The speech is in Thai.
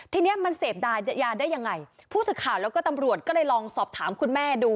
ทีนี้มันเสพยายาได้ยังไงผู้สื่อข่าวแล้วก็ตำรวจก็เลยลองสอบถามคุณแม่ดู